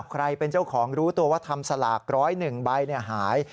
ใครเป็นเจ้าของรู้ตัวว่าทำสลาก๑๐๑ใบหาย